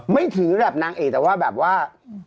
ไม่ถือแบบนางเอกแต่ว่าแบบว่า